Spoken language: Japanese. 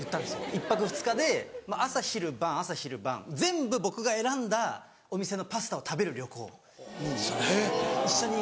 １泊２日で朝昼晩朝昼晩全部僕が選んだお店のパスタを食べる旅行に一緒に。